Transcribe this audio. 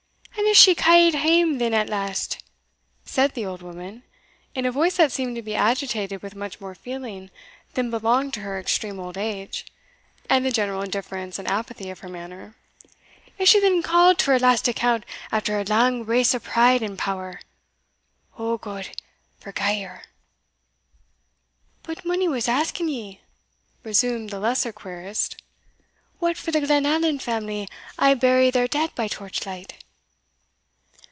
"And is she ca'd hame then at last?" said the old woman, in a voice that seemed to be agitated with much more feeling than belonged to her extreme old age, and the general indifference and apathy of her manner "is she then called to her last account after her lang race o' pride and power? O God, forgie her!" "But minnie was asking ye," resumed the lesser querist, "what for the Glenallan family aye bury their dead by torch light?"